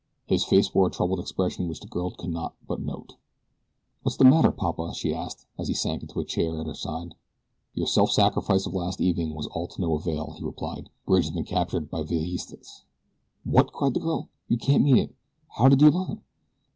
His face wore a troubled expression which the girl could not but note. "What's the matter, Papa?" she asked, as he sank into a chair at her side. "Your self sacrifice of last evening was all to no avail," he replied. "Bridge has been captured by Villistas." "What?" cried the girl. "You can't mean it how did you learn?"